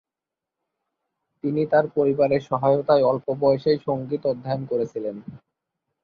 তিনি তার পরিবারের সহায়তায় অল্প বয়সেই সংগীত অধ্যয়ন করেছিলেন।